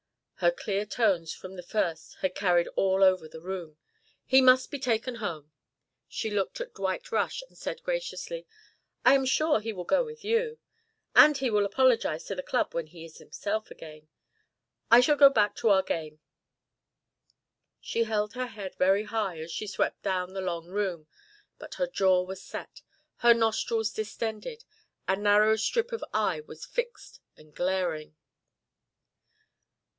Her clear tones from the first had carried all over the room. "He must be taken home." She looked at Dwight Rush and said graciously: "I am sure he will go with you. And he will apologise to the Club when he is himself again. I shall go back to our game." She held her head very high as she swept down the long room, but her jaw was set, her nostrils distended, a narrow strip of eye was fixed and glaring.